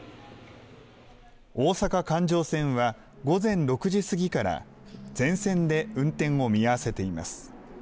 大阪環状線は、午前６時過ぎから全線で運転を見合わせています。